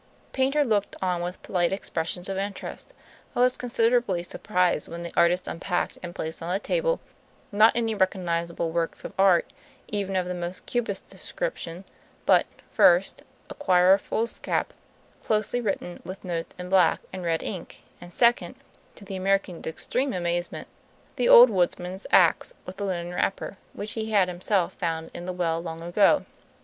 Paynter looked on with polite expressions of interest, but was considerably surprised when the artist unpacked and placed on the table, not any recognizable works of art, even of the most Cubist description, but (first) a quire of foolscap closely written with notes in black and red ink, and (second), to the American's extreme amazement, the old woodman's ax with the linen wrapper, which he had himself found in the well long ago.